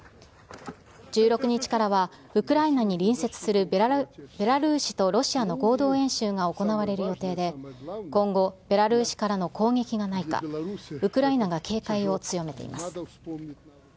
１６日からは、ウクライナに隣接するベラルーシとロシアの合同演習が行われる予定で、今後、ベラルーシからの攻撃がないか、ウクライナが警戒を強めています。